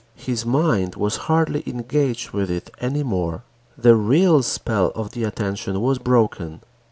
His mind was hardly engaged with it any more. The real spell of the attention was broken.